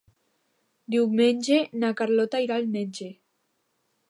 Diumenge na Carlota irà al metge.